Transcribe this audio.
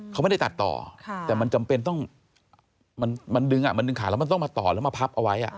เขาไม่ได้ตัดต่อแต่มันจำเป็นต้องมันดึงมันดึงขาดแล้วมันต้องมาต่อแล้วมาพับเอาไว้